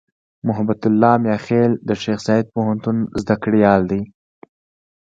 محبت الله "میاخېل" د شیخزاید پوهنتون زدهکړیال دی.